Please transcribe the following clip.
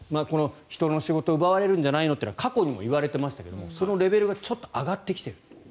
人の仕事が奪われるんじゃないのというのは過去にも言われていましたがそのレベルがちょっと上がってきていると。